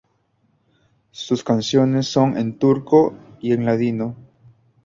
Sus canciones son en turco y en ladino.